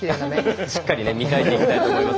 しっかり見開いていきたいと思います。